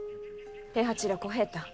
平八郎小平太。